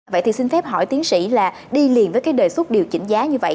vậy thì xin phép hỏi tiến sĩ là đi liền với cái đề xuất điều chỉnh giá như vậy